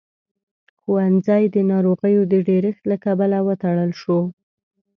ښوونځی د ناروغيو د ډېرښت له کبله وتړل شو.